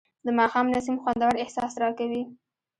د ماښام نسیم خوندور احساس راکوي